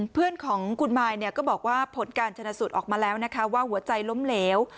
เพื่อนของคุณมายก็บอกว่าผลการชนะสูตรออกมาแล้วนะคะว่าหัวใจล้มเหลว